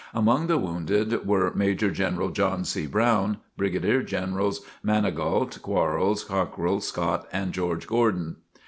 Among the wounded were Major General John C. Brown, Brigadier Generals Manigault, Quarles, Cockrill, Scott and George Gordon.